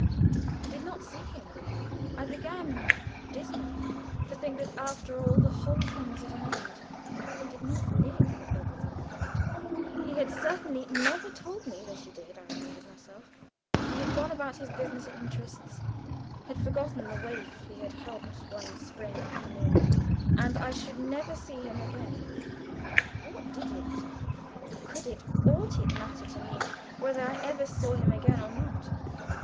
I did not see him. I began dismally to think that after all the whole thing was at an end. He did not live at Elberthal he had certainly never told me that he did, I reminded myself. He had gone about his business and interests had forgotten the waif he had helped one spring afternoon, and I should never see him again. My heart fell and sunk with a reasonless, aimless pang. What did it, could it, ought it to matter to me whether I ever saw him again or not?